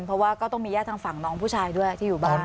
เพราะว่าก็ต้องมีญาติทางฝั่งน้องผู้ชายด้วยที่อยู่บ้าน